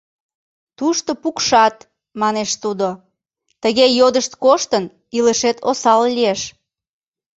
Тушто пукшат, — манеш тудо, — тыге йодышт коштын, илышет осал лиеш...